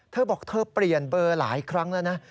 เธอบอกเธอเปลี่ยนเบอร์หลายครั้งแล้วนะ